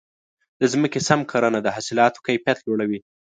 د ځمکې سم کرنه د حاصلاتو کیفیت لوړوي.